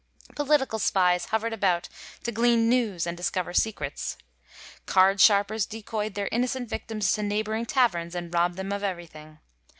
Political spies hoverd about to glean news and discover secrets. Card sharpers decoyd their innocent victims to neighboring taverns and robd them of everything.